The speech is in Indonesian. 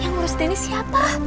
yang harus denis siapa